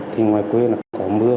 thì ngoài quê có mưa